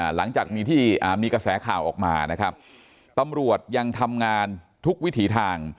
หลังจากมีที่มีกระแสข่าวออกมานะครับตำรวจยังทำงานทุกวิถีทาง